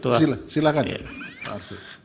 terima kasih mbak mulia